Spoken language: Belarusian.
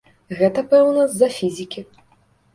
Гэта, пэўна, з-за фізікі.